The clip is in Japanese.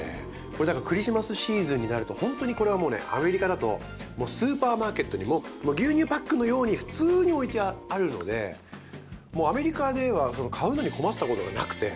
これクリスマスシーズンになるとほんとにこれはもうねアメリカだとスーパーマーケットにも牛乳パックのように普通に置いてあるのでもうアメリカでは買うのに困ったことがなくて。